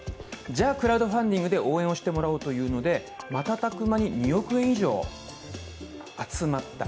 じゃ、クラウドファンディングで応援してもらおうということで瞬く間に２億円以上集まった。